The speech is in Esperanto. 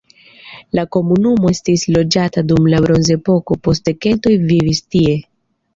La komunumo estis loĝata dum la bronzepoko, poste keltoj vivis tie.